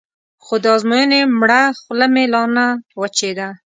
خو د ازموینې مړه خوله مې لا نه وچېده.